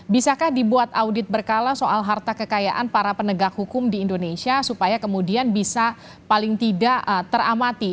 bisakah dibuat audit berkala soal harta kekayaan para penegak hukum di indonesia supaya kemudian bisa paling tidak teramati